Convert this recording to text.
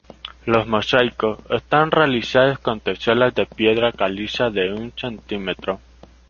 Los mosaicos están realizados con teselas de piedra caliza de un centímetro.